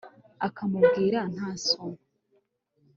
akamubwira nta soni